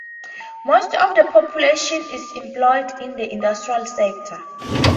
Most of the population is employed in the industrial sector.